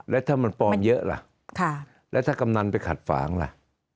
แล้วถ้ามันปลอมเยอะล่ะแล้วถ้ากำนันไปขัดฝางล่ะ